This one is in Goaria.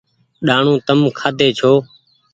ڏآڻو تم کآدي ڇو